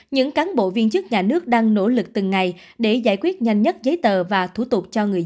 những cán bộ viên chức nhà nước đang nỗ lực từng ngày để giải quyết nhanh nhất giấy tờ và thủ tục cho người dân